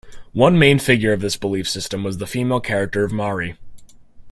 One main figure of this belief system was the female character of Mari.